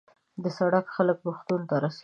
سړک خلک روغتون ته رسوي.